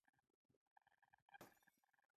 آیا د پرمختګ کاروان نه دی؟